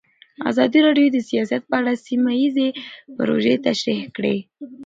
ازادي راډیو د سیاست په اړه سیمه ییزې پروژې تشریح کړې.